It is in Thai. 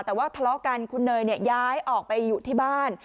แต่ว่าทะเลาะกันคุณเนยย้ายออกไปอยู่ที่บ้าน